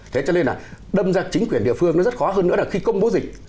thế cho nên là đâm ra chính quyền địa phương nó rất khó hơn nữa là khi công bố dịch